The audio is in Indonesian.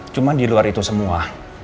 cuma di luar itu semua